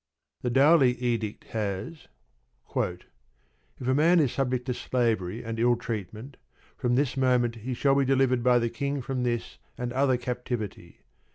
The Dhauli Edict has: If a man is subject to slavery and ill treatment, from this moment he shall be delivered by the king from this and other captivity.